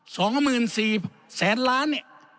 สองหมื่นสี่แสนล้าน